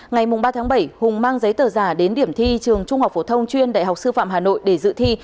ngày ba tháng bảy hùng mang giấy tờ giả đến điểm thi trường trung học phổ thông chuyên đại học sư phạm hà nội để dự thi